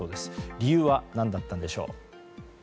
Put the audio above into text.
理由は何だったんでしょう。